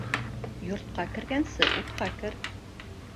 Йортҡа кергәнсе утҡа кер.